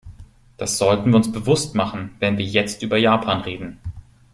Das sollten wir uns bewusst machen, wenn wir jetzt über Japan reden.